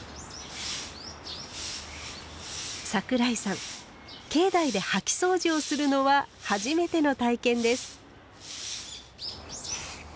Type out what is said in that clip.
桜井さん境内で掃きそうじをするのは初めての体験です。